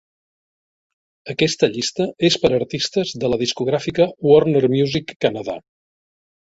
Aquesta llista és per a artistes de la discogràfica Warner Music Canada.